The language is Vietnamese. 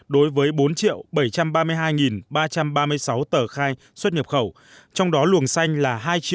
đối với bốn triệu bảy trăm ba mươi hai ba trăm ba mươi sáu tờ khai xuất nhập khẩu trong đó luồng xanh là hai triệu bảy trăm hai mươi chín trăm linh tờ